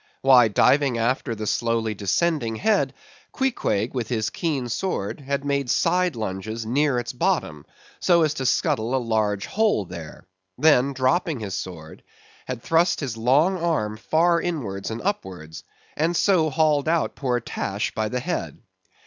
Why, diving after the slowly descending head, Queequeg with his keen sword had made side lunges near its bottom, so as to scuttle a large hole there; then dropping his sword, had thrust his long arm far inwards and upwards, and so hauled out poor Tash by the head.